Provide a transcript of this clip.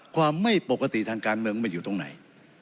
ความไม่ปกติทางการเมืองมันอยู่ตรงไหน